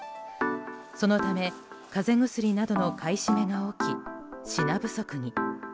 そのため風邪薬などの買い占めが起き品不足に。